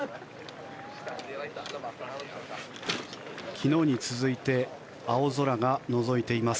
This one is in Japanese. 昨日に続いて青空がのぞいています